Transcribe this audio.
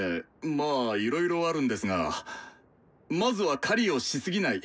まあいろいろあるんですがまずは「狩りをしすぎない」。